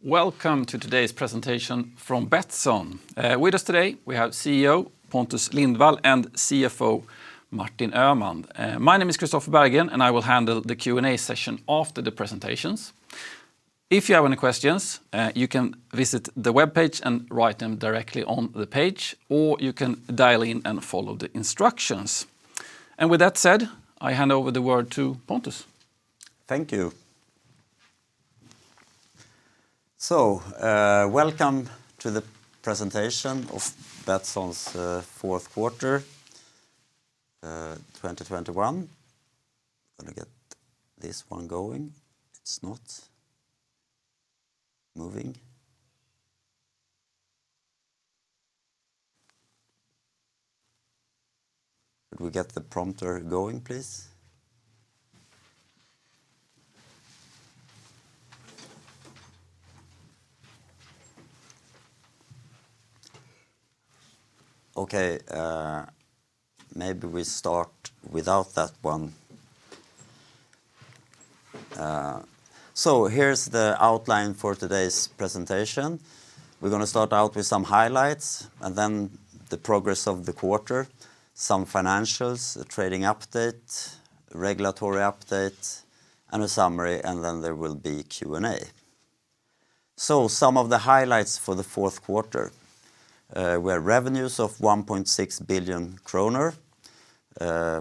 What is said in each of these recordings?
Welcome to today's presentation from Betsson. With us today we have CEO Pontus Lindwall and CFO Martin Öhman. My name is Christopher Bergen, and I will handle the Q&A session after the presentations. If you have any questions, you can visit the webpage and write them directly on the page, or you can dial in and follow the instructions. With that said, I hand over the word to Pontus. Thank you. Welcome to the presentation of Betsson's fourth quarter 2021. I will get this started. It's not moving. Could we get the prompter going, please? Okay. Maybe we start without that one. Here's the outline for today's presentation. We will start with some highlights and then the progress of the quarter, some financials, a trading update, regulatory update, and a summary, and then there will be Q&A. Some of the highlights for the fourth quarter were revenues of 1.6 billion kronor,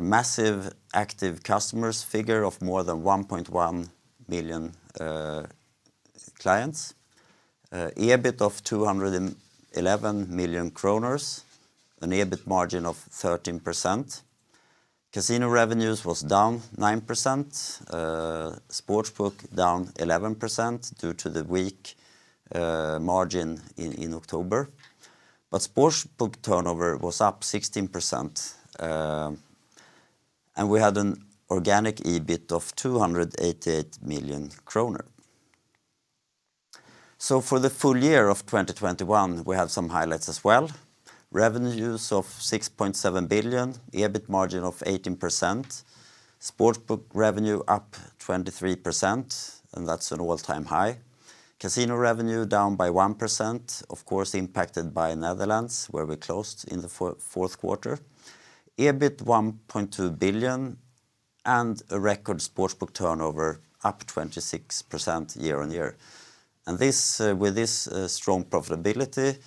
massive active customers figure of more than 1.1 million clients, EBIT of 211 million kronor, an EBIT margin of 13%. Casino revenues was down 9%, sports book down 11% due to the weak margin in October. Sports book turnover was up 16%, and we had an organic EBIT of SEK 288 million. For the full year of 2021, we have some highlights as well. Revenues of 6.7 billion, EBIT margin of 18%, sports book revenue up 23%, and that's an all-time high. Casino revenue down by 1%, impacted by Netherlands, where we closed in the fourth quarter. EBIT one point two billion, and a record sports book turnover up 26% year-on-year. With this strong profitability,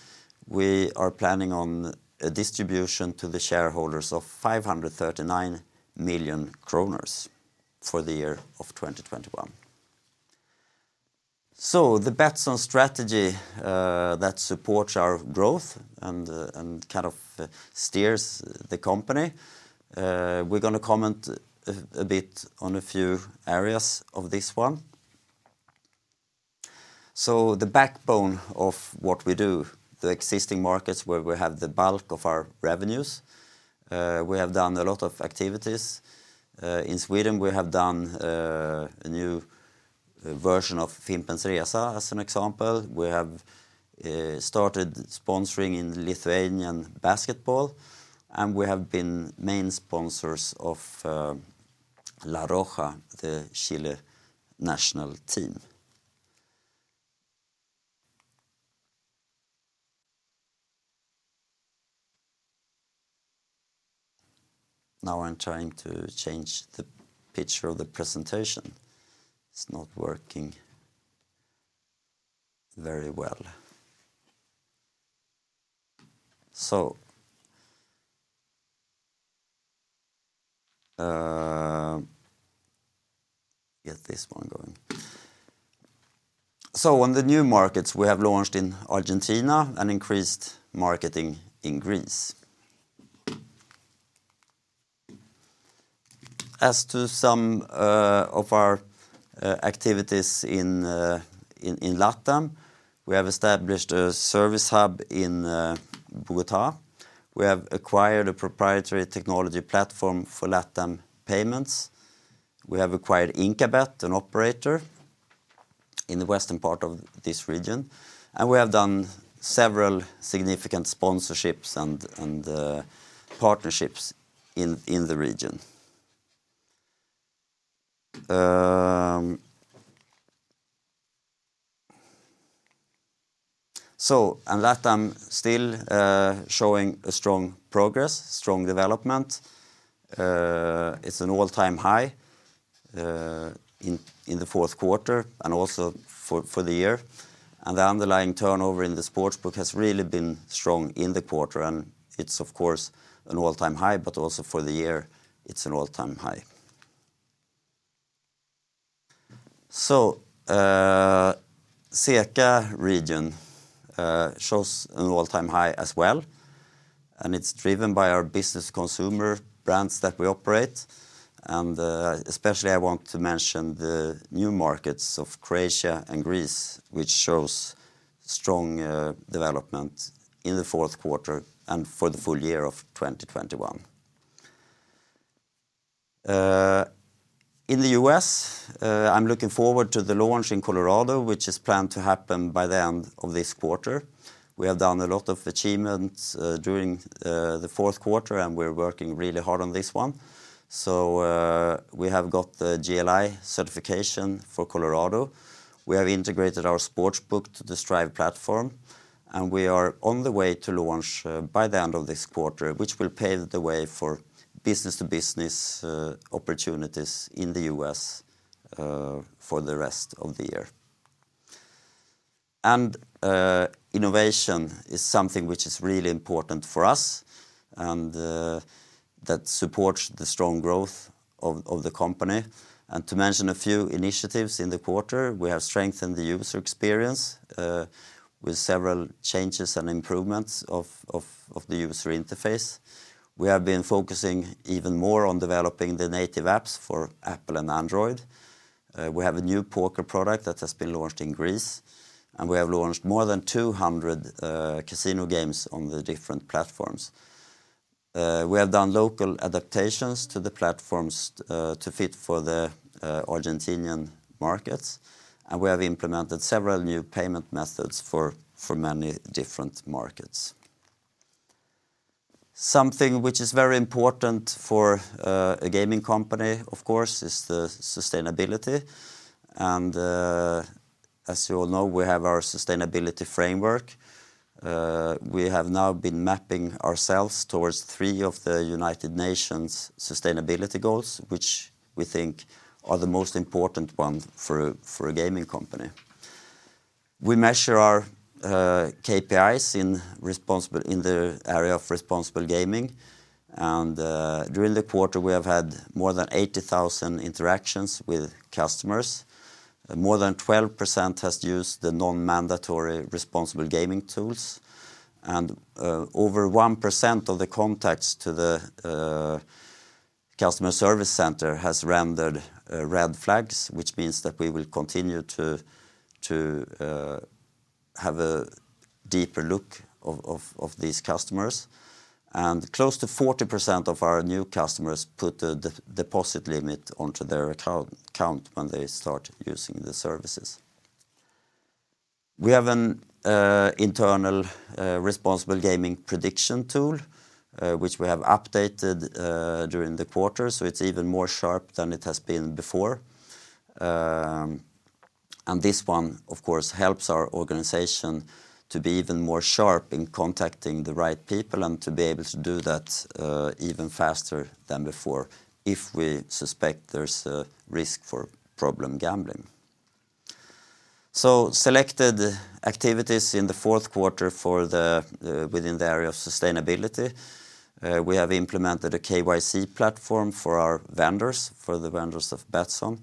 we are planning on a distribution to the shareholders of 539 million kronor for the year of 2021. The Betsson strategy that supports our growth and and guides the company, we're gonna comment a bit on a few areas of this one. The backbone of what we do, the existing markets where we have the bulk of our revenues, we have done a lot of activities. In Sweden, we have done a new version of Fimpens Resa, as an example. We have started sponsoring in Lithuanian basketball, and we have been main sponsors of La Roja, the Chile national team. On the new markets, we have launched in Argentina an increased marketing in Greece. As to some of our activities in LATAM, we have established a service hub in Bogotá. We have acquired a proprietary technology platform for LATAM payments. We have acquired Inkabet, an operator in the western part of this region, and we have done several significant sponsorships and partnerships in the region. LATAM still showing a strong progress, strong development. It's an all-time high in the fourth quarter and also for the year. The underlying turnover in the sportsbook has really been strong in the quarter, and it's an all-time high, but also for the year it's an all-time high. CECA region shows an all-time high as well, and it's driven by our business consumer brands that we operate. Especially I want to mention the new markets of Croatia and Greece, which shows strong development in the fourth quarter and for the full year of 2021. In the U.S., I'm looking forward to the launch in Colorado, which is planned to happen by the end of this quarter. We have done a lot of achievements during the fourth quarter, and we're working really hard on this one. We have got the GLI certification for Colorado. We have integrated our sportsbook to the Strive platform, and we are on the way to launch by the end of this quarter, which will pave the way for business-to-business opportunities in the U.S. for the rest of the year. Innovation is something which is really important for us, and that supports the strong growth of the company. To mention a few initiatives in the quarter, we have strengthened the user experience with several changes and improvements of the user interface. We have been focusing even more on developing the native apps for Apple and Android. We have a new poker product that has been launched in Greece, and we have launched more than 200 casino games on the different platforms. We have done local adaptations to the platforms to fit for the Argentine markets, and we have implemented several new payment methods for many different markets. Something which is very important for a gaming company, is the sustainability, and as you all know, we have our sustainability framework. We have now been mapping ourselves towards three of the United Nations sustainability goals, which we think are the most important ones for a gaming company. We measure our KPIs in the area of responsible gaming, and during the quarter, we have had more than 80,000 interactions with customers. More than 12% has used the non-mandatory responsible gaming tools, and over 1% of the contacts to the customer service center has rendered red flags, which means that we will continue to have a deeper look of these customers. Close to 40% of our new customers put a deposit limit onto their account when they start using the services. We have an internal responsible gaming prediction tool which we have updated during the quarter, so it's even more sharp than it has been before. This one, helps our organization to be even more sharp in contacting the right people and to be able to do that even faster than before if we suspect there's a risk for problem gambling. Selected activities in the fourth quarter within the area of sustainability, we have implemented a KYC platform for the vendors of Betsson.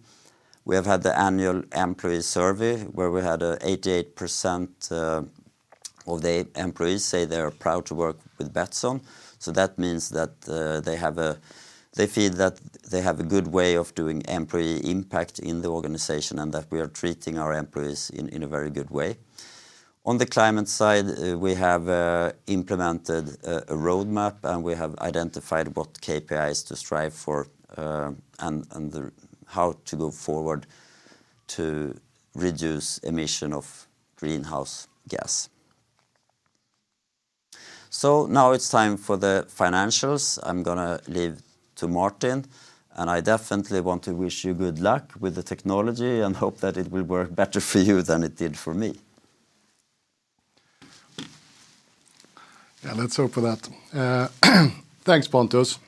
We have had the annual employee survey where we had 88% of the employees say they're proud to work with Betsson, so that means that they feel that they have a good way of doing employee impact in the organization and that we are treating our employees in a very good way. On the climate side, we have implemented a roadmap, and we have identified what KPIs to strive for, and how to go forward to reduce emission of greenhouse gas. Now it's time for the financials. I'm gonna leave to Martin, and I definitely want to wish you good luck with the technology and hope that it will work better for you than it did for me. Let's hope so. Thanks, Pontus.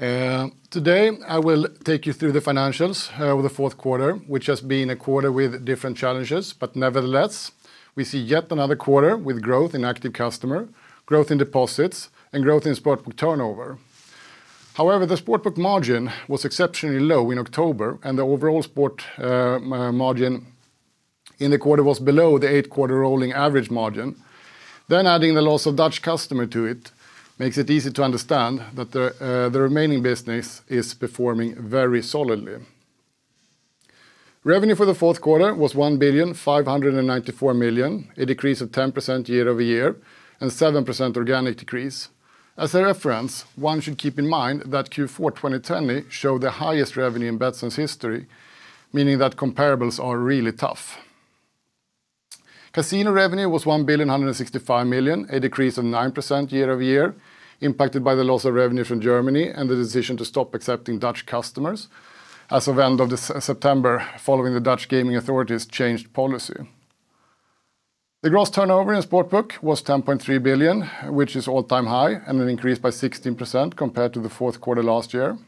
Today, I will take you through the financials of the fourth quarter, which has been a quarter with different challenges, but nevertheless, we see yet another quarter with growth in active customer, growth in deposits, and growth in sportsbook turnover. However, the sportsbook margin was exceptionally low in October, and the overall sports margin in the quarter was below the eight-quarter rolling average margin. Adding the loss of Dutch customer to it makes it easy to understand that the remaining business is performing very solidly. Revenue for the fourth quarter was 1,594 million, a decrease of 10% year-over-year, and 7% organic decrease. As a reference, one should keep in mind that Q4 2020 showed the highest revenue in Betsson's history, meaning that comparables are really tough. Casino revenue was 1,165 million, a decrease of 9% year-over-year, impacted by the loss of revenue from Germany and the decision to stop accepting Dutch customers as of end of September following the Dutch Gaming Authority's changed policy. The gross turnover in Sportsbook was 10.3 billion, which is all-time high and an increase by 16% compared to the fourth quarter last year.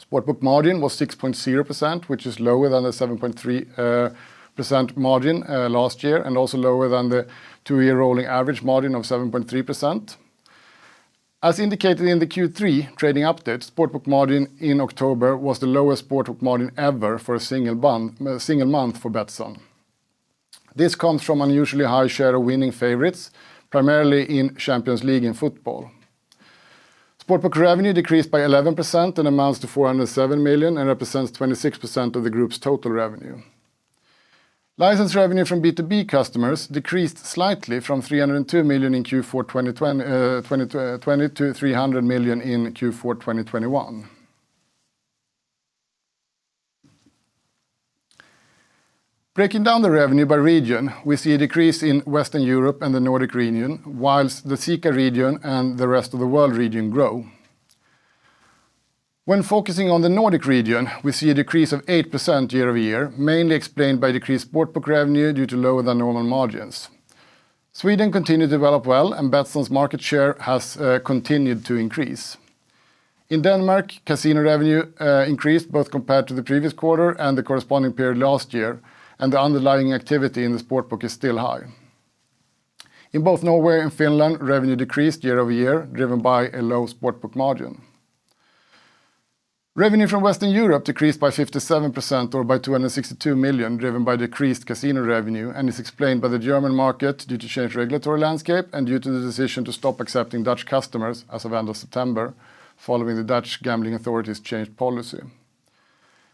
Sportsbook margin was 6.0%, which is lower than the 7.3% margin last year and also lower than the two-year rolling average margin of 7.3%. As indicated in the Q3 trading update, Sportsbook margin in October was the lowest Sportsbook margin ever for a single month for Betsson. This comes from unusually high share of winning favorites, primarily in Champions League in football. Sportsbook revenue decreased by 11% and amounts to 407 million and represents 26% of the group's total revenue. License revenue from B2B customers decreased slightly from 302 million in Q4 2020 to 300 million in Q4 2021. Breaking down the revenue by region, we see a decrease in Western Europe and the Nordic region, while the CEKA region and the rest of the world region grow. When focusing on the Nordic region, we see a decrease of 8% year-over-year, mainly explained by decreased sportsbook revenue due to lower than normal margins. Sweden continued to develop well, and Betsson's market share has continued to increase. In Denmark, casino revenue increased both compared to the previous quarter and the corresponding period last year, and the underlying activity in the sportsbook is still high. In both Norway and Finland, revenue decreased year-over-year, driven by a low sportsbook margin. Revenue from Western Europe decreased by 57% or by 262 million, driven by decreased casino revenue and is explained by the German market due to changed regulatory landscape and due to the decision to stop accepting Dutch customers as of end of September following the Dutch Gaming Authority's changed policy.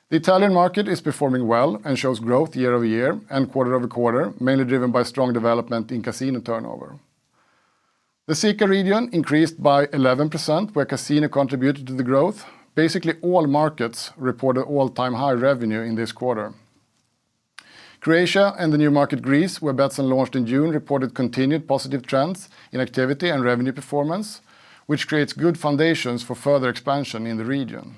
The Italian market is performing well and shows growth year-over-year and quarter-over-quarter, mainly driven by strong development in casino turnover. The CEKA region increased by 11%, where casino contributed to the growth. Basically all markets reported all-time high revenue in this quarter. Croatia and the new market, Greece, where Betsson launched in June, reported continued positive trends in activity and revenue performance, which creates good foundations for further expansion in the region.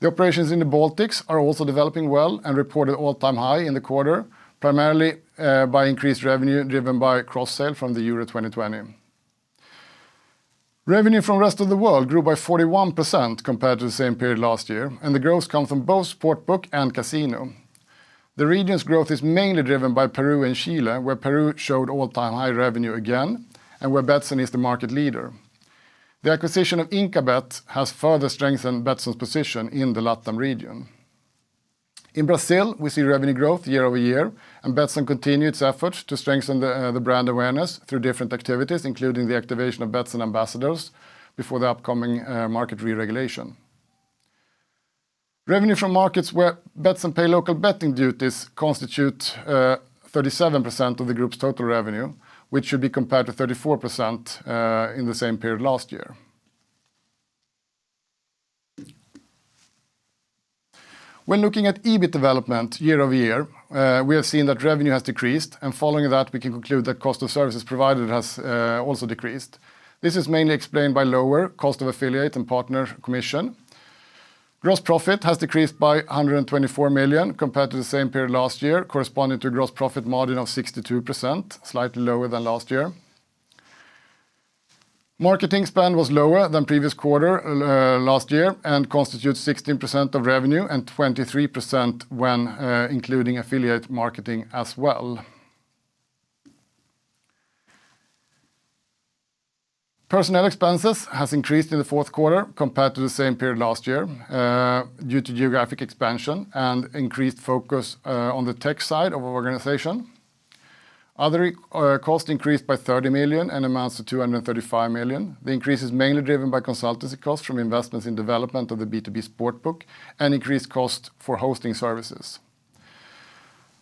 The operations in the Baltics are also developing well and reported all-time high in the quarter, primarily by increased revenue driven by cross-sale from the Euro 2020. Revenue from rest of the world grew by 41% compared to the same period last year, and the growth comes from both sportsbook and casino. The region's growth is mainly driven by Peru and Chile, where Peru showed all-time high revenue again and where Betsson is the market leader. The acquisition of Inkabet has further strengthened Betsson's position in the LATAM region. In Brazil, we see revenue growth year-over-year, and Betsson continued its efforts to strengthen the brand awareness through different activities, including the activation of Betsson ambassadors before the upcoming market re-regulation. Revenue from markets where Betsson pay local betting duties constitute 37% of the group's total revenue, which should be compared to 34% in the same period last year. When looking at EBIT development year-over-year, we have seen that revenue has decreased, and following that, we can conclude that cost of services provided has also decreased. This is mainly explained by lower cost of affiliate and partner commission. Gross profit has decreased by 124 million compared to the same period last year, corresponding to gross profit margin of 62%, slightly lower than last year. Marketing spend was lower than previous quarter last year and constitutes 16% of revenue and 23% when including affiliate marketing as well. Personnel expenses has increased in the fourth quarter compared to the same period last year, due to geographic expansion and increased focus, on the tech side of our organization. Other cost increased by 30 million and amounts to 235 million. The increase is mainly driven by consultancy costs from investments in development of the B2B sportsbook and increased cost for hosting services.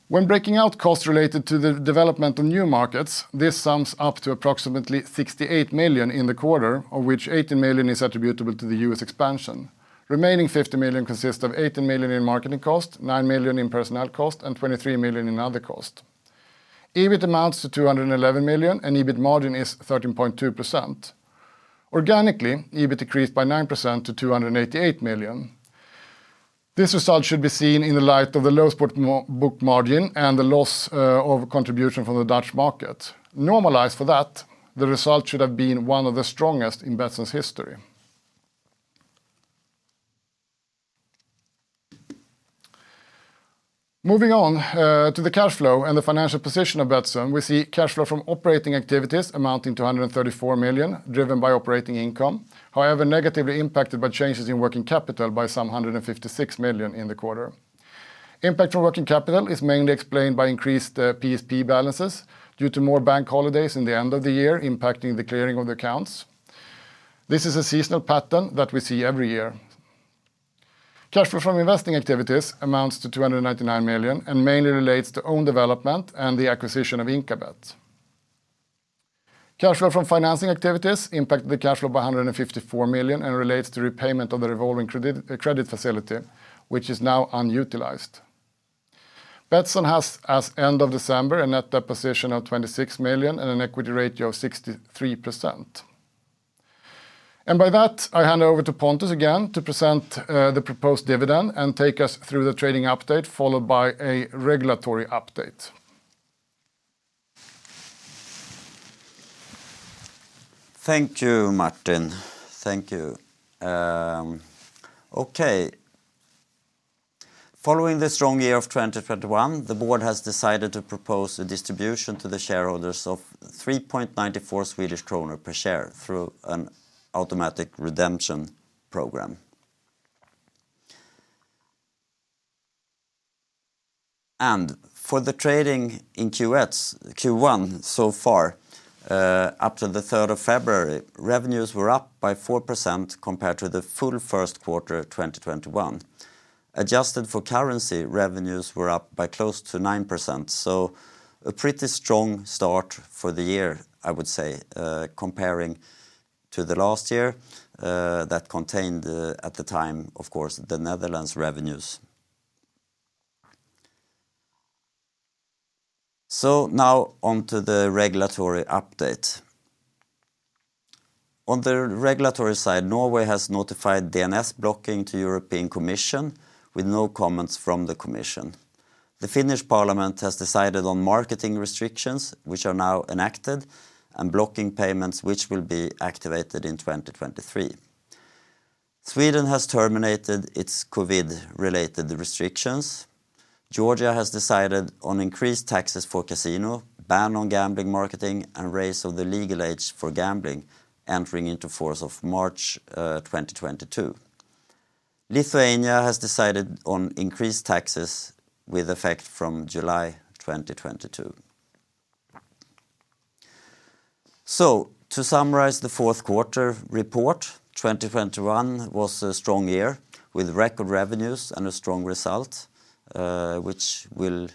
When breaking out costs related to the development of new markets, this sums up to approximately 68 million in the quarter, of which 18 million is attributable to the U.S. expansion. Remaining 50 million consists of 18 million in marketing cost, 9 million in personnel cost, and 23 million in other cost. EBIT amounts to 211 million, and EBIT margin is 13.2%. Organically, EBIT decreased by 9% to 288 million. This result should be seen in the light of the low sportsbook margin and the loss of contribution from the Dutch market. Normalized for that, the result should have been one of the strongest in Betsson's history. Moving on to the cash flow and the financial position of Betsson, we see cash flow from operating activities amounting to 134 million, driven by operating income, however, negatively impacted by changes in working capital by some 156 million in the quarter. Impact from working capital is mainly explained by increased PSP balances due to more bank holidays in the end of the year impacting the clearing of the accounts. This is a seasonal pattern that we see every year. Cash flow from investing activities amounts to 299 million and mainly relates to own development and the acquisition of Inkabet. Cash flow from financing activities impacted the cash flow by 154 million and relates to repayment of the revolving credit facility, which is now unutilized. Betsson has, as of the end of December, a net debt position of 26 million and an equity ratio of 63%. By that, I hand over to Pontus again to present the proposed dividend and take us through the trading update, followed by a regulatory update. Thank you, Martin. Thank you. Following the strong year of 2021, the board has decided to propose a distribution to the shareholders of 3.94 Swedish kronor per share through an automatic redemption program. For the trading in Q1 so far, up to the 3rd of February, revenues were up by 4% compared to the full first quarter of 2021. Adjusted for currency, revenues were up by close to 9%. A pretty strong start for the year, I would say, comparing to the last year that contained, at the time, the Netherlands revenues. Now on to the regulatory update. On the regulatory side, Norway has notified DNS blocking to European Commission with no comments from the commission. The Finnish Parliament has decided on marketing restrictions, which are now enacted, and blocking payments which will be activated in 2023. Sweden has terminated its COVID-related restrictions. Georgia has decided on increased taxes for casino, ban on gambling marketing, and raise of the legal age for gambling entering into fourth of March, 2022. Lithuania has decided on increased taxes with effect from July 2022. To summarize the fourth quarter report, 2021 was a strong year with record revenues and a strong result, which will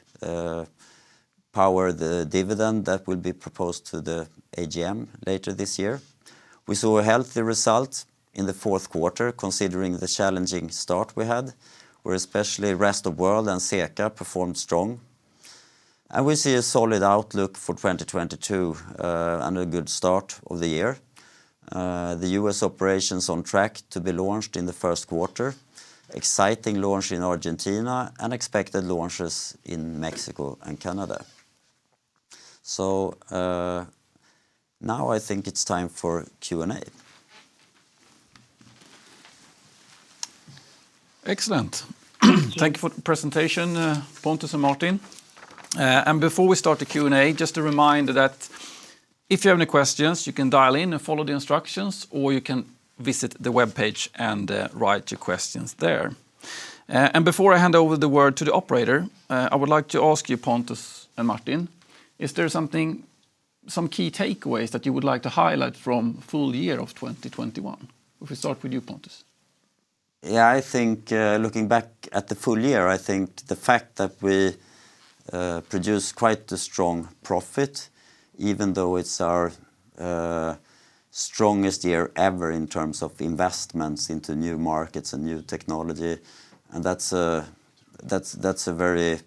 power the dividend that will be proposed to the AGM later this year. We saw a healthy result in the fourth quarter considering the challenging start we had, where especially rest of world and CEECA performed strong. We see a solid outlook for 2022, and a good start of the year. The U.S. operations on track to be launched in the first quarter, exciting launch in Argentina, and expected launches in Mexico and Canada. Now I think it's time for Q&A. Excellent. Thank you for the presentation, Pontus and Martin. Before we start the Q&A, just a reminder that if you have any questions, you can dial in and follow the instructions, or you can visit the webpage and write your questions there. Before I hand over the word to the operator, I would like to ask you Pontus and Martin, is there some key takeaways that you would like to highlight from full year of 2021? If we start with you, Pontus. Yeah. I think, looking back at the full year, I think the fact that we produce quite a strong profit even though it's our strongest year ever in terms of investments into new markets and new technology, and that's a very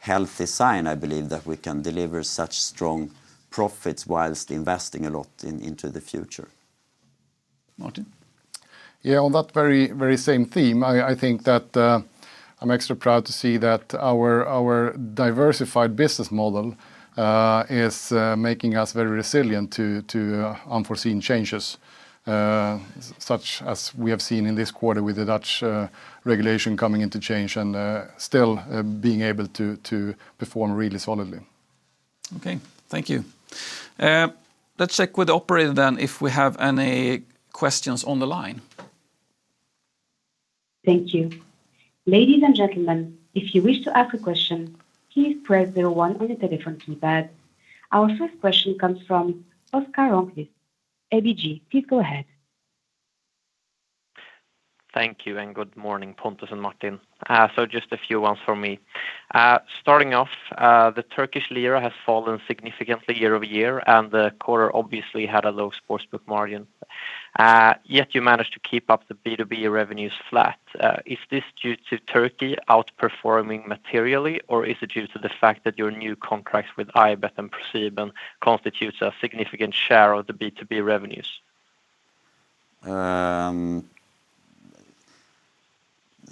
healthy sign, I believe, that we can deliver such strong profits whilst investing a lot into the future. Martin? Yeah. On that very, very same theme, I think that I'm extra proud to see that our diversified business model is making us very resilient to unforeseen changes, such as we have seen in this quarter with the Dutch regulation coming into change and still being able to perform really solidly. Okay. Thank you. Let's check with the operator then if we have any questions on the line. Thank you, good morning, Pontus and Martin. Just a few ones for me. Starting off, the Turkish lira has fallen significantly year-over-year, and the quarter obviously had a low sportsbook margin. Yet you managed to keep up the B2B revenues flat. Is this due to Turkey outperforming materially, or is it due to the fact that your new contracts with ibet and ProSiebenSat.1 constitutes a significant share of the B2B revenues?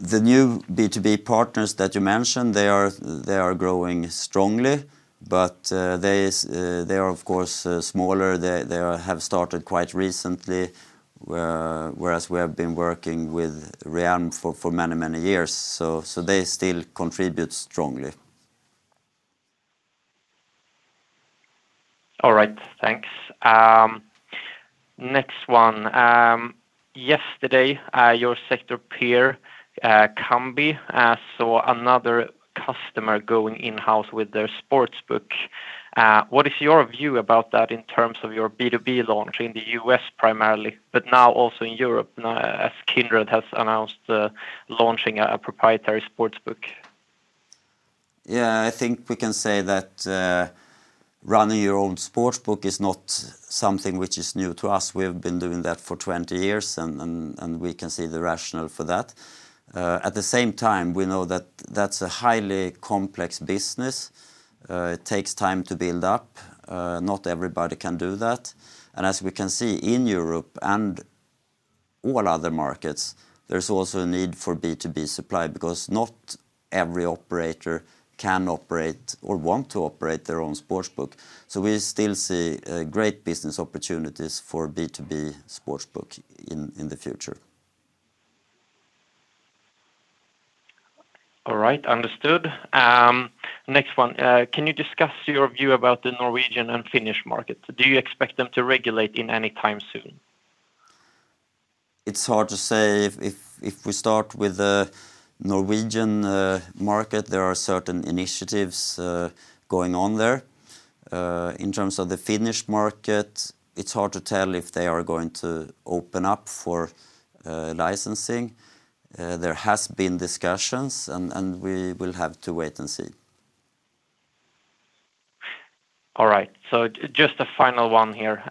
The new B2B partners that you mentioned, they are growing strongly. They are smaller. They have started quite recently, whereas we have been working with Ream for many years. They still contribute strongly. All right. Thanks. Next one. Yesterday, your sector peer, Kambi, saw another customer going in-house with their sportsbook. What is your view about that in terms of your B2B launch in the U.S. primarily, but now also in Europe now as Kindred has announced launching a proprietary sportsbook? Yeah. I think we can say that, running your own sportsbook is not something which is new to us. We have been doing that for 20 years and we can see the rationale for that. At the same time, we know that that's a highly complex business. It takes time to build up. Not everybody can do that. As we can see in Europe and all other markets, there's also a need for B2B supply because not every operator can operate or want to operate their own sportsbook. We still see great business opportunities for B2B sportsbook in the future. All right. Understood. Next one. Can you discuss your view about the Norwegian and Finnish markets? Do you expect them to regulate anytime soon? It's hard to say if we start with the Norwegian market, there are certain initiatives going on there. In terms of the Finnish market, it's hard to tell if they are going to open up for licensing. There has been discussions and we will have to wait and see. All right. Just a final one here.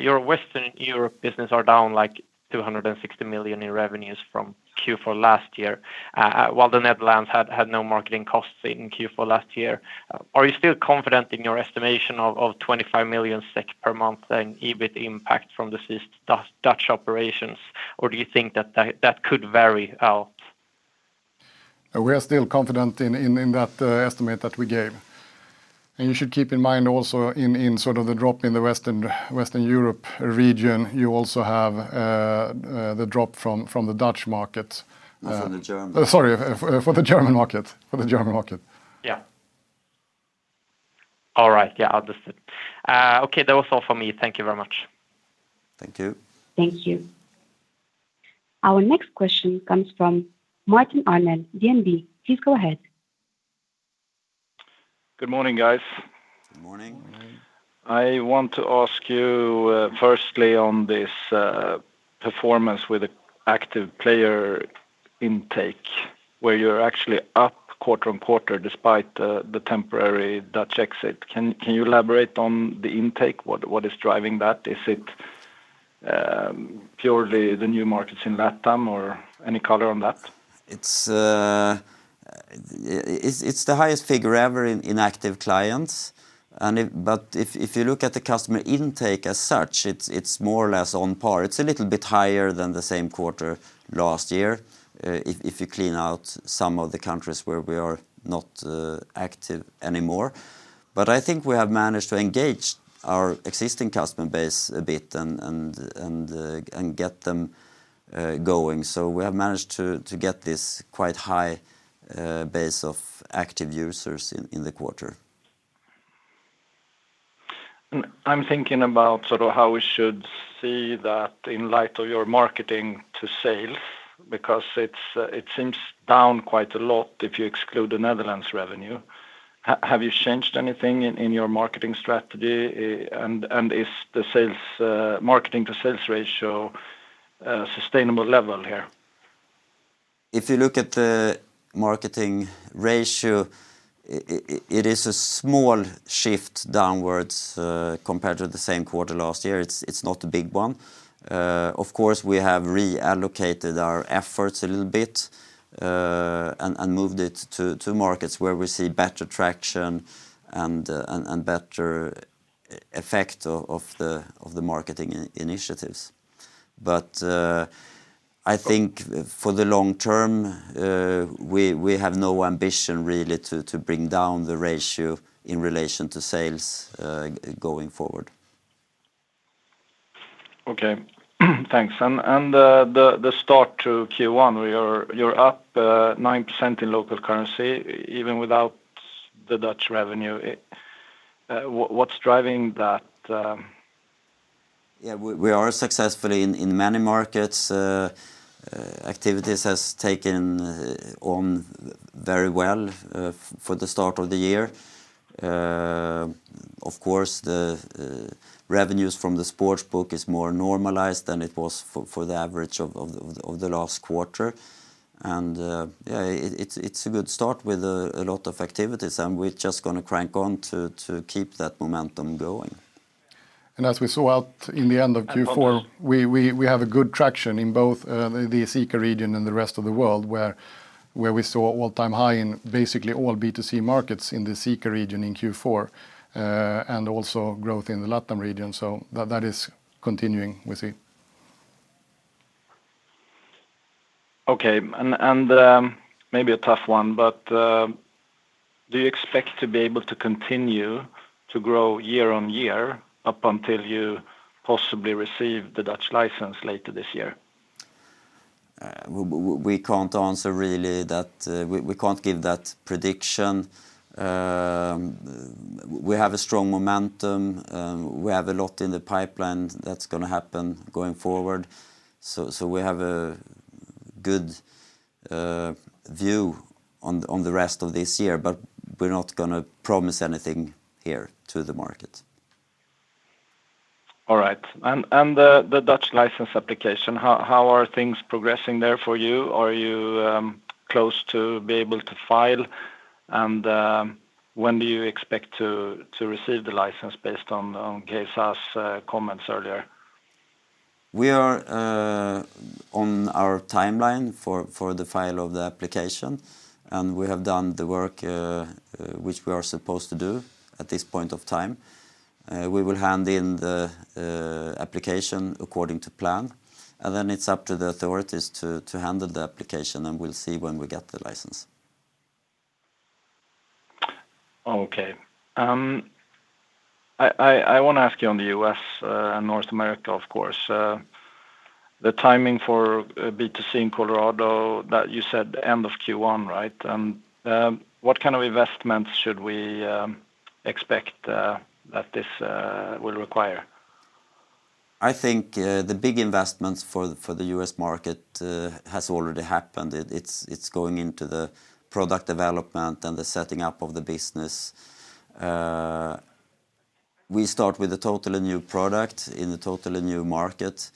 Your Western Europe business are down like 260 million in revenues from Q4 last year. While the Netherlands had no marketing costs in Q4 last year. Are you still confident in your estimation of 25 million SEK per month in EBIT impact from the Dutch operations, or do you think that could vary out? We are still confident in that estimate that we gave. You should keep in mind also in sort of the drop in the Western Europe region, you also have the drop from the Dutch market. That's from the German. Sorry, for the German market. Yeah. All right. Yeah, understood. Okay, that was all for me. Thank you very much. Thank you. Good morning, guys. Good morning. Morning. I want to ask you, firstly, on this performance with the active player intake, where you're actually up quarter-over-quarter despite the temporary Dutch exit. Can you elaborate on the intake? What is driving that? Is it purely the new markets in LatAm or any color on that? It's the highest figure ever in active clients. If you look at the customer intake as such, it's more or less on par. It's a little bit higher than the same quarter last year, if you clean out some of the countries where we are not active anymore. I think we have managed to engage our existing customer base a bit and get them going. We have managed to get this quite high base of active users in the quarter. I'm thinking about sort of how we should see that in light of your marketing to sales, because it seems down quite a lot if you exclude the Netherlands revenue. Have you changed anything in your marketing strategy? Is the marketing to sales ratio a sustainable level here? If you look at the marketing ratio, it is a small shift downwards compared to the same quarter last year. It's not a big one. We have reallocated our efforts a little bit and moved it to markets where we see better traction and better effect of the marketing initiatives. I think for the long term, we have no ambition really to bring down the ratio in relation to sales going forward. Okay. Thanks. The start to Q1, you're up 9% in local currency, even without the Dutch revenue. What's driving that? We are successful in many markets. Activities has taken on very well for the start of the year. The revenues from the sports book is more normalized than it was for the average of the last quarter. It's a good start with a lot of activities, and we're just gonna crank on to keep that momentum going. as we saw at the end of Q4 And on the- We have a good traction in both the SECA region and the rest of the world, where we saw all-time high in basically all B2C markets in the SECA region in Q4, and also growth in the LatAm region. That is continuing, we see. Okay. Maybe a tough one, but do you expect to be able to continue to grow year on year up until you possibly receive the Dutch license later this year? We can't give that prediction. We have a strong momentum. We have a lot in the pipeline that's gonna happen going forward. We have a good view on the rest of this year, but we're not gonna promise anything here to the market. All right. The Dutch license application, how are things progressing there for you? Are you close to be able to file? When do you expect to receive the license based on Geza's comments earlier? We are on our timeline for the filing of the application, and we have done the work which we are supposed to do at this point in time. We will hand in the application according to plan, and then it's up to the authorities to handle the application, and we'll see when we get the license. Okay. I wanna ask you on the U.S. and North America, The timing for B2C in Colorado that you said end of Q1, right? What kind of investment should we expect that this will require? I think the big investments for the U.S. market has already happened. It's going into the product development and the setting up of the business. We start with a totally new product in a totally new market,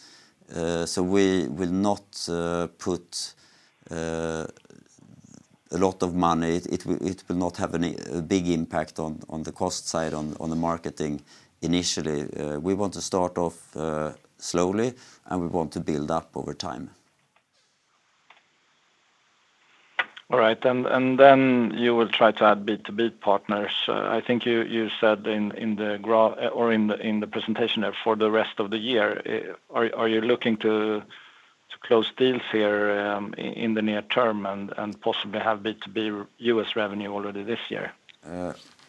so we will not put a lot of money. It will not have a big impact on the cost side on the marketing initially. We want to start off slowly, and we want to build up over time. All right. Then you will try to add B2B partners. I think you said in the presentation there for the rest of the year. Are you looking to close deals here in the near term and possibly have B2B U.S. revenue already this year?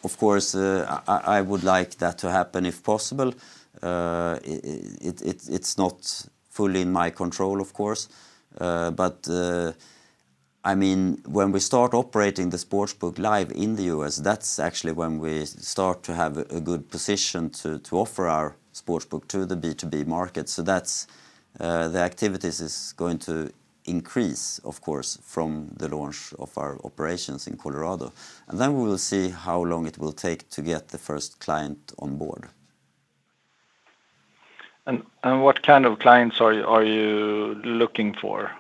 I would like that to happen if possible. It's not fully in my control When we start operating the sportsbook live in the U.S., that's actually when we start to have a good position to offer our sportsbook to the B2B market. That's the activities is going to increase, from the launch of our operations in Colorado. We will see how long it will take to get the first client on board. What kind of clients are you looking for?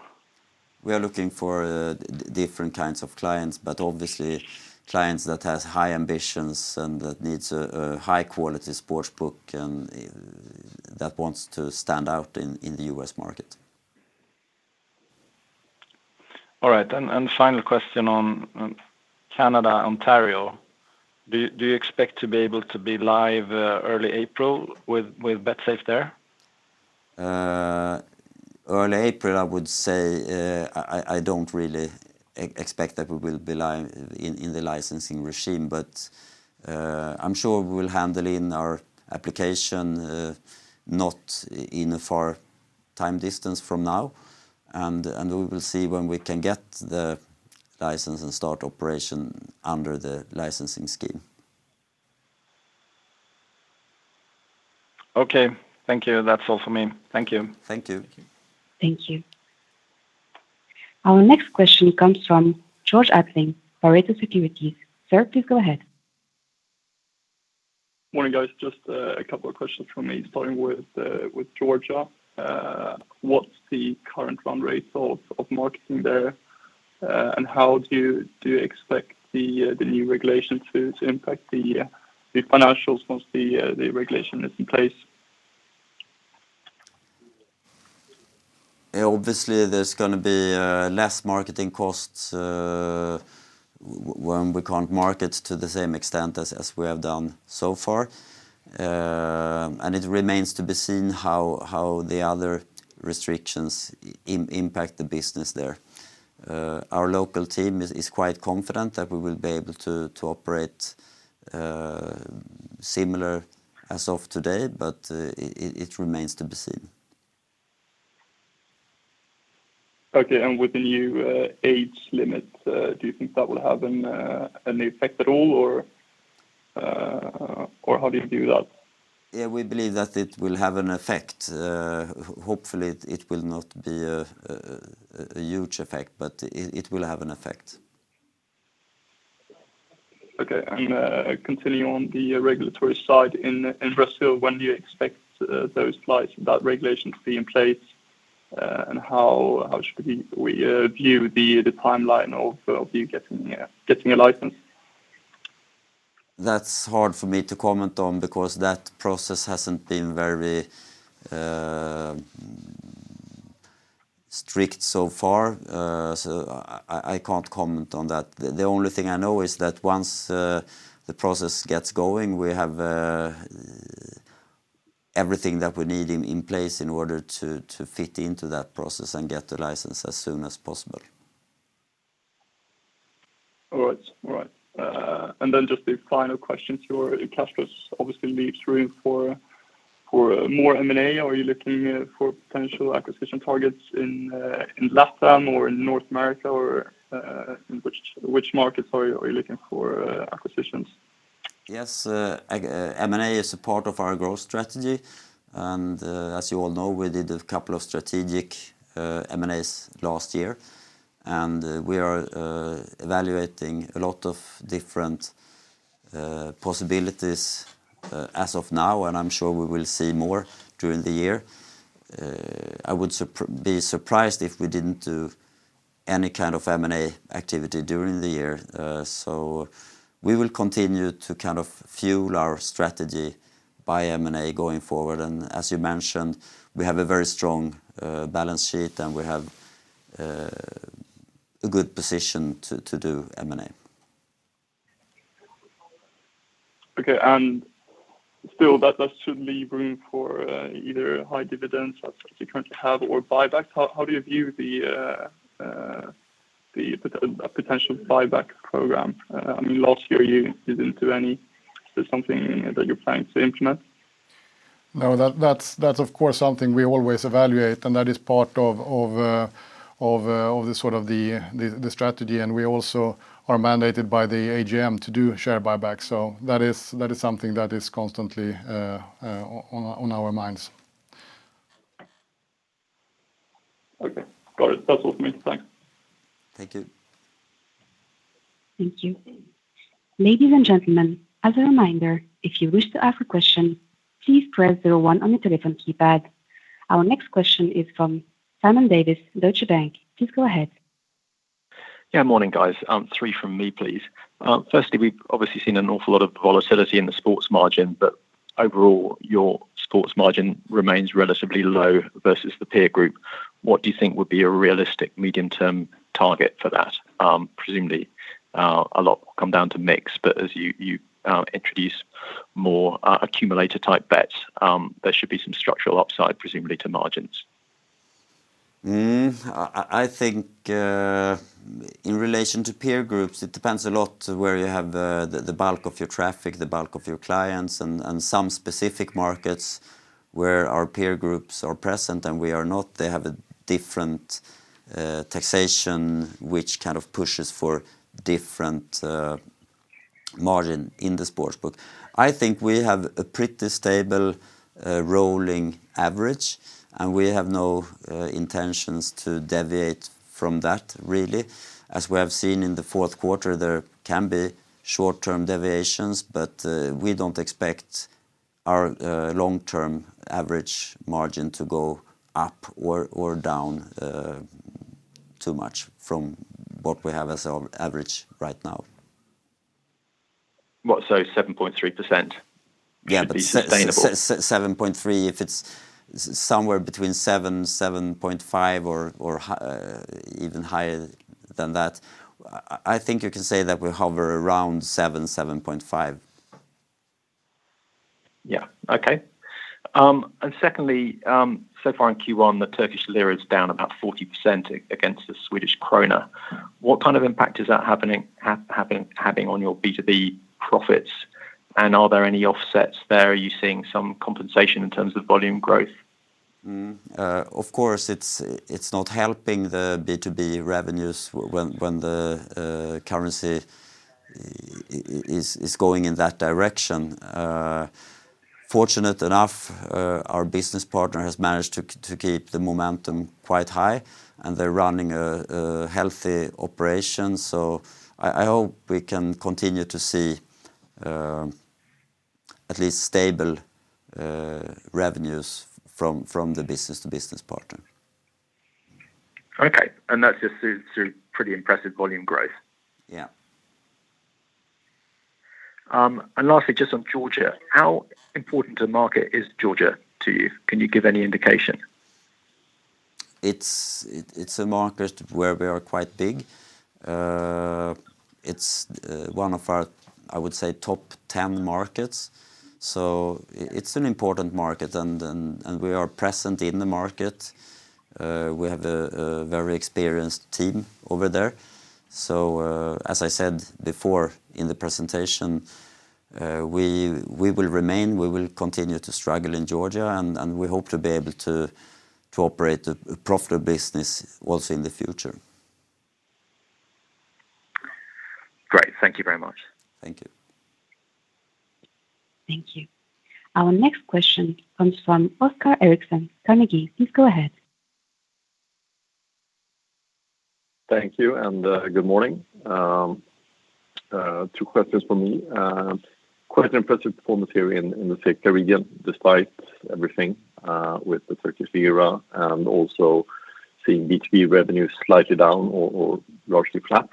We are looking for different kinds of clients, but obviously clients that has high ambitions and that needs a high quality sports book and that wants to stand out in the U.S. market. All right. Final question on Canada, Ontario. Do you expect to be able to be live early April with Betsafe there? Early April, I would say. I don't really expect that we will be live in the licensing regime. I'm sure we will hand in our application, not in a far time distance from now. We will see when we can get the license and start operation under the licensing scheme. Okay. Thank you. That's all for me. Thank you. Thank you. Morning, guys. Just a couple of questions from me starting with Georgia. What's the current run rate of marketing there? How do you expect the new regulation to impact the financials once the regulation is in place? Obviously, there's gonna be less marketing costs when we can't market to the same extent as we have done so far. It remains to be seen how the other restrictions impact the business there. Our local team is quite confident that we will be able to operate similar as of today, but it remains to be seen. Okay. With the new age limit, do you think that will have an effect at all or how do you view that? Yeah, we believe that it will have an effect. Hopefully it will not be a huge effect, but it will have an effect. Continuing on the regulatory side in Brazil, when do you expect that regulation to be in place? How should we view the timeline of you getting a license? That's hard for me to comment on because that process hasn't been very strict so far. I can't comment on that. The only thing I know is that once the process gets going, we have everything that we need in place in order to fit into that process and get the license as soon as possible. All right. Just the final question. Your cash flows obviously leaves room for more M&A. Are you looking for potential acquisition targets in Latin America or in North America or in which markets are you looking for acquisitions? Yes. M&A is a part of our growth strategy. As you all know, we did a couple of strategic M&As last year. We are evaluating a lot of different possibilities as of now, and I'm sure we will see more during the year. I would be surprised if we didn't do any kind of M&A activity during the year. We will continue to kind of fuel our strategy by M&A going forward. As you mentioned, we have a very strong balance sheet, and we have a good position to do M&A. Okay. Still that should leave room for either high dividends as you currently have or buyback. How do you view the potential buyback program? last year you didn't do any. Is this something that you're planning to implement? No, that's something we always evaluate, and that is part of the sort of the strategy. We also are mandated by the AGM to do share buyback. That is something that is constantly on our minds. Okay. Got it. That's all for me. Thanks. Thank you. Yeah, morning, guys. Three from me, please. Firstly, we've obviously seen an awful lot of volatility in the sports margin, but overall, your sports margin remains relatively low versus the peer group. What do you think would be a realistic medium-term target for that? Presumably, a lot will come down to mix, but as you introduce more accumulator-type bets, there should be some structural upside, presumably to margins. I think, in relation to peer groups, it depends a lot where you have the bulk of your traffic, the bulk of your clients and some specific markets where our peer groups are present and we are not. They have a different taxation which kind of pushes for different margin in the sports book. I think we have a pretty stable rolling average, and we have no intentions to deviate from that, really. As we have seen in the fourth quarter, there can be short-term deviations, but we don't expect our long-term average margin to go up or down too much from what we have as our average right now. What, so 7.3%? Yeah, but- should be sustainable. 7.3, if it's somewhere between 7%-7.5% or even higher than that. I think you can say that we hover around 7%-7.5%. Secondly, so far in Q1, the Turkish lira is down about 40% against the Swedish krona. What kind of impact is that having on your B2B profits, and are there any offsets there? Are you seeing some compensation in terms of volume growth? It's not helping the B2B revenues when the currency is going in that direction. Fortunately enough, our business partner has managed to keep the momentum quite high, and they're running a healthy operation. I hope we can continue to see at least stable revenues from the business-to-business partner. Okay. That's just through pretty impressive volume growth? Yeah. Lastly, just on Georgia. How important a market is Georgia to you? Can you give any indication? It's a market where we are quite big. It's one of our, I would say, top 10 markets. It's an important market and we are present in the market. We have a very experienced team over there. As I said before in the presentation, we will continue to struggle in Georgia and we hope to be able to operate a profitable business also in the future. Great. Thank you very much. Thank you. Thank you, and good morning. Two questions from me. Quite an impressive performance here in the region, despite everything, with the Turkish lira and also seeing B2B revenues slightly down or largely flat.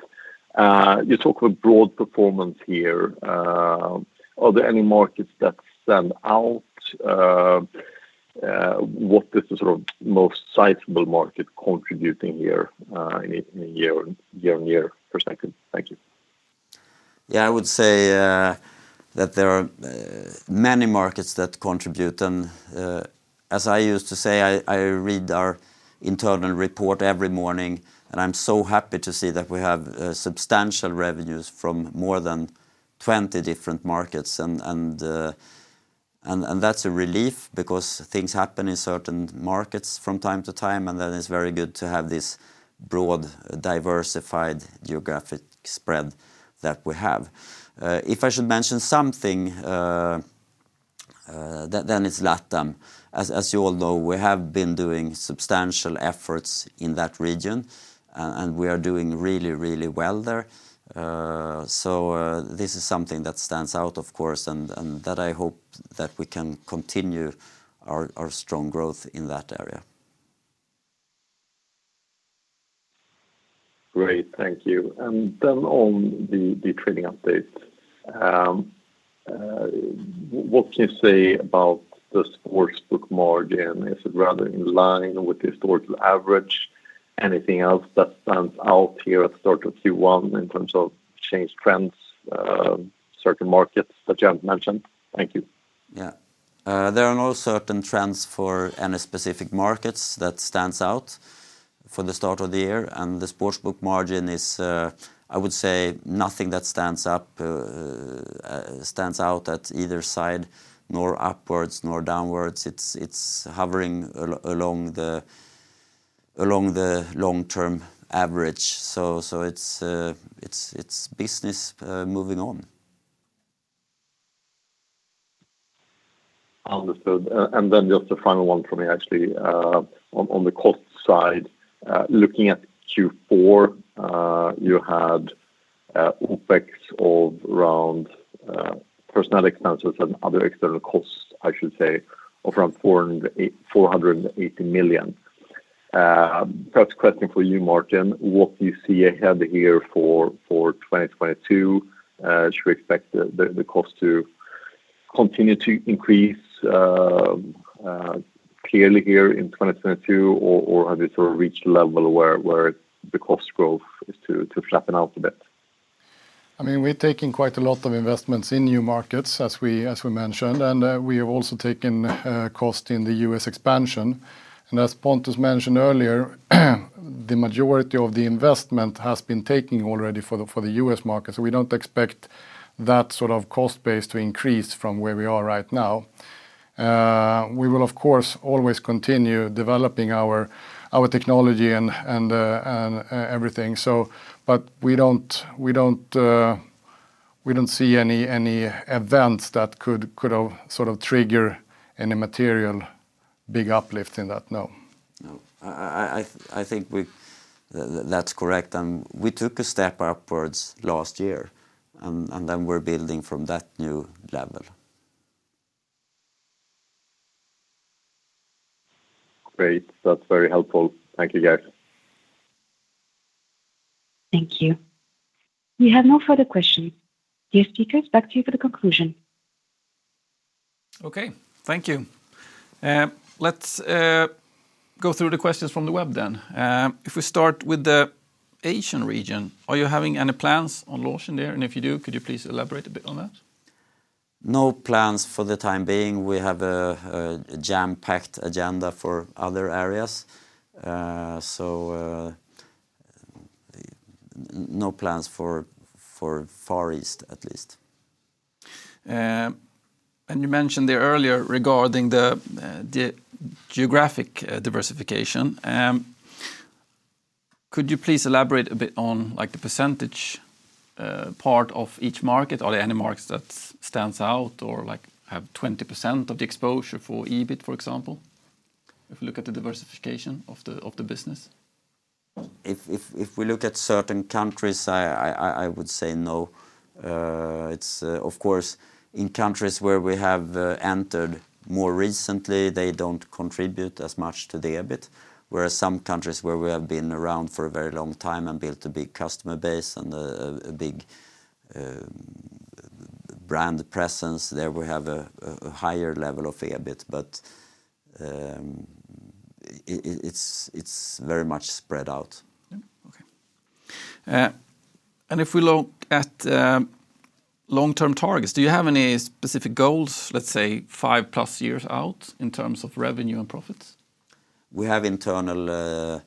You talk of a broad performance here. What is the sort of most sizable market contributing here, in a year-on-year perspective? Thank you. Yeah, I would say that there are many markets that contribute. As I used to say, I read our internal report every morning, and I'm so happy to see that we have substantial revenues from more than 20 different markets. That's a relief because things happen in certain markets from time to time, and then it's very good to have this broad, diversified geographic spread that we have. If I should mention something, then it's LATAM. As you all know, we have been doing substantial efforts in that region and we are doing really, really well there. This is something that stands out, and that I hope that we can continue our strong growth in that area. Great. Thank you. On the trading update. What can you say about the sportsbook margin? Is it rather in line with the historical average? Anything else that stands out here at start of Q1 in terms of changed trends, certain markets that you haven't mentioned? Thank you. Yeah. There are no certain trends for any specific markets that stand out. For the start of the year, the sports book margin is, I would say, nothing that stands out at either side, nor upwards, nor downwards. It's hovering along the long-term average. It's business moving on. Understood. Just a final one from me actually. On the cost side, looking at Q4, you had OpEx of around personnel expenses and other external costs, I should say of around 480 million. First question for you, Martin. What do you see ahead here for 2022? Should we expect the cost to continue to increase clearly here in 2022 or have you sort of reached a level where the cost growth is to flatten out a bit? We're taking quite a lot of investments in new markets as we mentioned, and we have also taken cost in the U.S. expansion. As Pontus mentioned earlier, the majority of the investment has been taking already for the U.S. market. We don't expect that sort of cost base to increase from where we are right now. We will, always continue developing our technology and everything. We don't see any events that could have sort of trigger any material big uplift in that, no. No. I think that's correct, and we took a step upwards last year, and then we're building from that new level. Great. That's very helpful. Thank you, guys. Okay. Thank you. Let's go through the questions from the web then. If we start with the Asian region, are you having any plans on launching there? If you do, could you please elaborate a bit on that? No plans for the time being. We have a jam-packed agenda for other areas. No plans for Far East, at least. You mentioned there earlier regarding the geographic diversification. Could you please elaborate a bit on, like, the percentage part of each market? Are there any markets that stands out or, like, have 20% of the exposure for EBIT, for example? If you look at the diversification of the business. If we look at certain countries, I would say no. It's, in countries where we have entered more recently, they don't contribute as much to the EBIT. Whereas some countries where we have been around for a very long time and built a big customer base and a big brand presence, there we have a higher level of EBIT. It's very much spread out. Yeah. Okay. If we look at long-term targets, do you have any specific goals, let's say five plus years out in terms of revenue and profits? We have internal,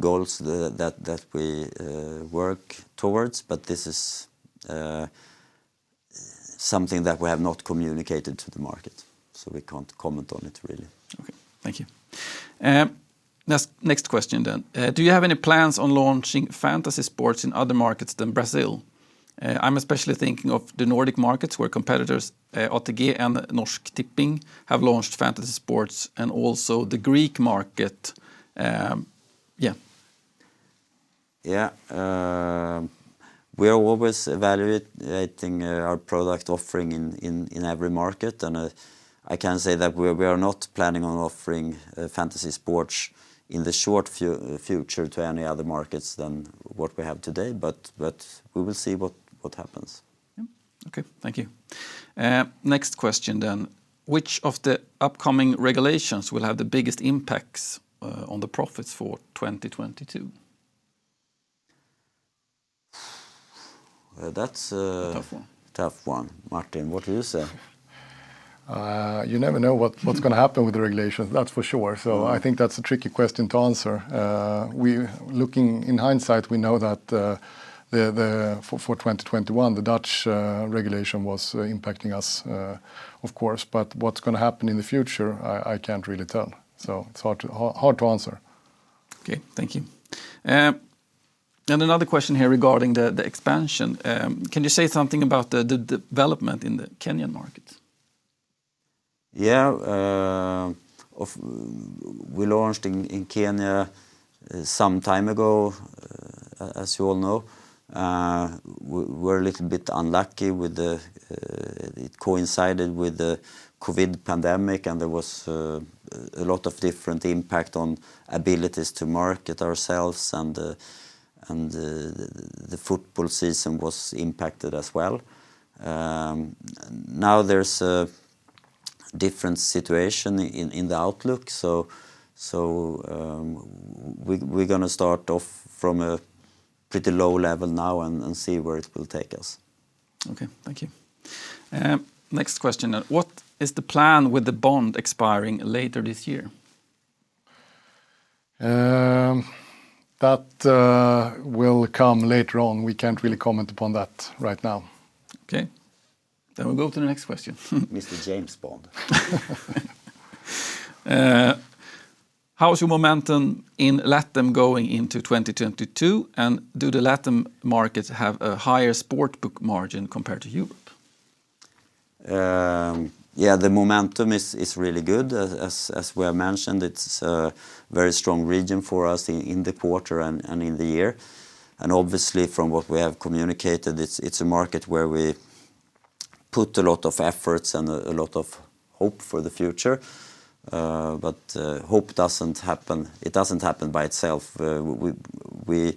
goals that we work towards, but this is something that we have not communicated to the market, so we can't comment on it really. Okay. Thank you. Next question. Do you have any plans on launching fantasy sports in other markets than Brazil? I'm especially thinking of the Nordic markets where competitors, ATG and Norsk Tipping, have launched fantasy sports and also the Greek market. Yeah. Yeah. We are always evaluating our product offering in every market, and I can say that we are not planning on offering fantasy sports in the short future to any other markets than what we have today, but we will see what happens. Yeah. Okay. Thank you. Next question then. Which of the upcoming regulations will have the biggest impacts on the profits for 2022? Well, that's a- Tough one. Tough one. Martin, what do you say? You never know what's gonna happen with the regulations, that's for sure. I think that's a tricky question to answer. In hindsight, we know that for 2021, the Dutch regulation was impacting us, but what's gonna happen in the future, I can't really tell. It's hard to answer. Okay. Thank you. Another question here regarding the expansion. Can you say something about the development in the Kenyan market? We launched in Kenya some time ago, as you all know. We're a little bit unlucky with it. It coincided with the COVID pandemic, and there was a lot of different impact on abilities to market ourselves and the football season was impacted as well. Now there's a different situation in the outlook. We're gonna start off from a pretty low level now and see where it will take us. Okay, thank you. Next question. What is the plan with the bond expiring later this year? That will come later on. We can't really comment upon that right now. Okay. We'll go to the next question. Mr. James Bond. How's your momentum in LATAM going into 2022, and do the LATAM markets have a higher sportsbook margin compared to you? Yeah, the momentum is really good, as we have mentioned. It's a very strong region for us in the quarter and in the year. Obviously from what we have communicated, it's a market where we put a lot of efforts and a lot of hope for the future. But hope doesn't happen. It doesn't happen by itself. We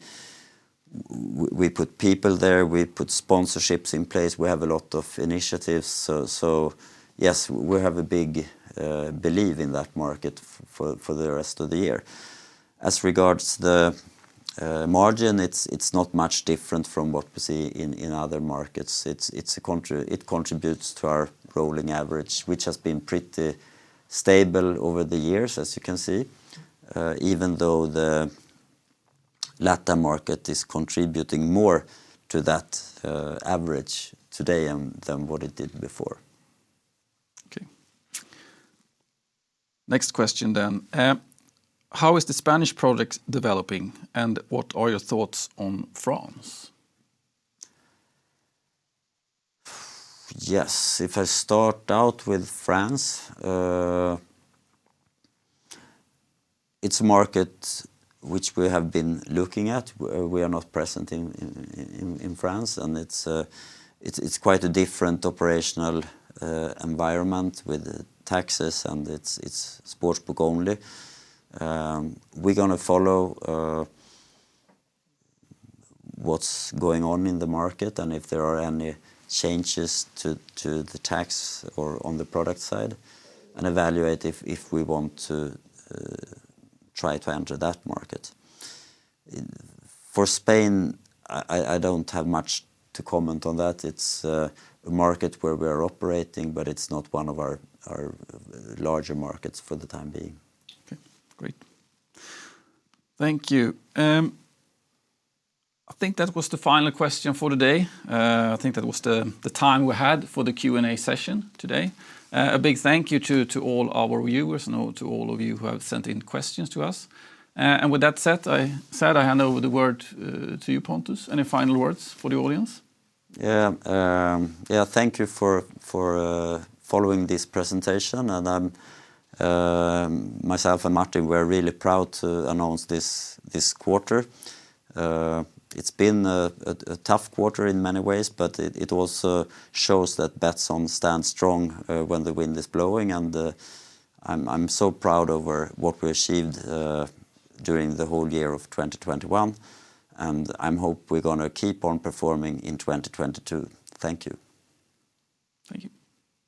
put people there, we put sponsorships in place. We have a lot of initiatives. Yes, we have a big belief in that market for the rest of the year. As regards to the margin, it's not much different from what we see in other markets. It contributes to our rolling average, which has been pretty stable over the years, as you can see, even though the LATAM market is contributing more to that average today than what it did before. Okay. Next question. How is the Spanish products developing, and what are your thoughts on France? Yes, if I start out with France, it's a market which we have been looking at. We are not present in France, and it's quite a different operational environment with the taxes and it's sportsbook only. We're gonna follow what's going on in the market, and if there are any changes to the tax or on the product side, and evaluate if we want to try to enter that market. For Spain, I don't have much to comment on that. It's a market where we're operating, but it's not one of our larger markets for the time being. Okay, great. Thank you. I think that was the final question for today. I think that was the time we had for the Q&A session today. A big thank you to all our viewers and to all of you who have sent in questions to us. With that said, I hand over the word to you, Pontus. Any final words for the audience? Yeah. Yeah, thank you for following this presentation. I'm myself and Martin we're really proud to announce this quarter. It's been a tough quarter in many ways, but it also shows that Betsson stands strong when the wind is blowing and I'm so proud over what we achieved during the whole year of 2021, and I hope we're gonna keep on performing in 2022. Thank you. Thank you.